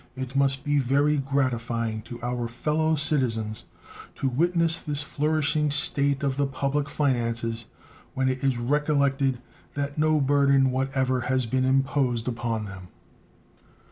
It must be very gratifying to our fellow citizens to witness this flourishing state of the public finances when it is recollected that no burthen whatever has been imposed upon them.